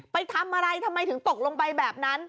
ไปทำอะไรทำไมถึงตกลงไปแบบนั้น